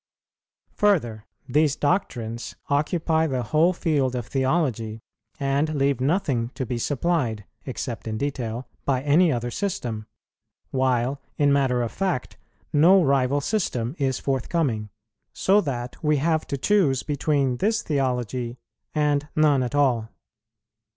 Further, these doctrines occupy the whole field of theology, and leave nothing to be supplied, except in detail, by any other system; while, in matter of fact, no rival system is forthcoming, so that we have to choose between this theology and none at all.